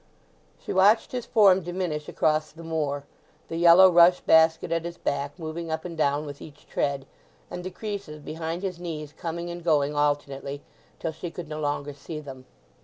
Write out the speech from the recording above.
She watched his form diminish across the moor, the yellow rush basket at his back moving up and down with each tread, and the creases behind his knees coming and going alternately till she could no longer see them.